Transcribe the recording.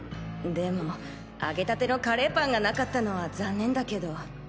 でも揚げたてのカレーパンが無かったのは残念だけど。